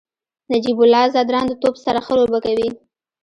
نجیب الله زدران د توپ سره ښه لوبه کوي.